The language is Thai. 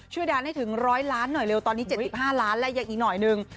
ดันให้ถึง๑๐๐ล้านหน่อยเร็วตอนนี้๗๕ล้านและยังอีกหน่อยนึง